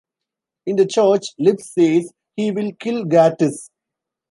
In the church, Lipp says he will kill Gatiss.